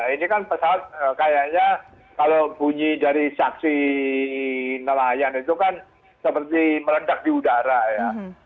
ini kan pesawat kayaknya kalau bunyi dari saksi nelayan itu kan seperti meledak di udara ya